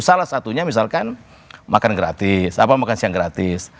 salah satunya misalkan makan gratis apa makan siang gratis